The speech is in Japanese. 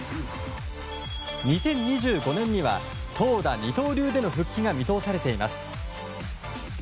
２０２５年には、投打二刀流での復帰が見通されています。